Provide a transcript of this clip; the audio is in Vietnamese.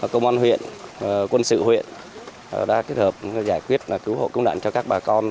công an huyện quân sự huyện đã kết hợp giải quyết cứu hộ công đoạn cho các bà con